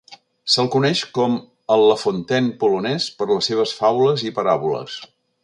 Se'l coneix com el La Fontaine polonès per les seves faules i paràboles.